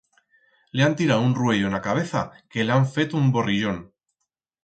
Le han tirau un ruello en la cabeza que le ha feto un borrillón.